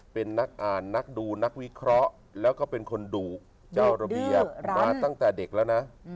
เป็นนักอ่านนักดูนักวิเคราะห์แล้วก็เป็นคนดุเจ้าระเบียบมาตั้งแต่เด็กแล้วนะ